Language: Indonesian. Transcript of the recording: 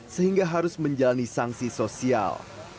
sehingga harus menjalani sanksi sosial